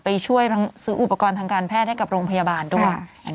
ไปช่วยซื้ออุปกรณ์ทางการแพทย์ให้กับโรงพยาบาลด้วย